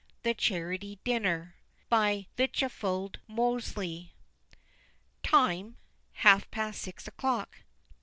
THE CHARITY DINNER. LITCHFIELD MOSELEY. TIME: half past six o'clock.